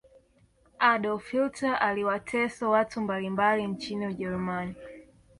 adolf hitler aliwateso watu mbalimbali nchini ujerumani